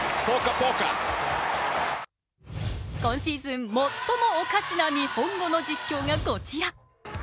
今シーズン最もおかしな日本語の実況がこちら。